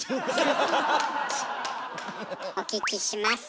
お聞きします。